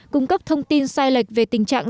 cung cấp thông tin sai lệch về tình trạng